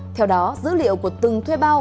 theo đó dữ liệu của từng thuê bao bao gồm